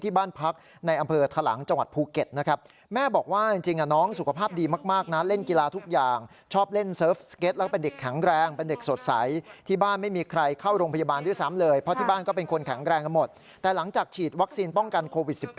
ที่บ้านพักในอำเพลินถลังจังหวัดภูเกตรนะครับแม่บอก